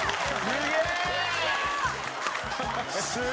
すげえ！